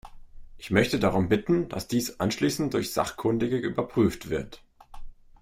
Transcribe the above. Ich möchte darum bitten, dass dies anschließend durch Sachkundige überprüft wird.